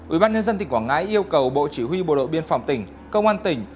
ủy ban nhân dân tỉnh quảng ngãi yêu cầu bộ chỉ huy bộ đội biên phòng tỉnh công an tỉnh